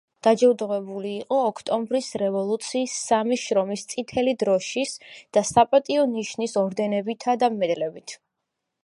დაჯილდოვებული იყო ოქტომბრის რევოლუციის, სამი შრომის წითელი დროშის და „საპატიო ნიშნის“ ორდენებითა და მედლებით.